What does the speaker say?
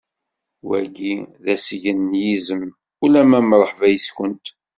Wagi d asgen n yizem, ulama mṛeḥba yes-kunt.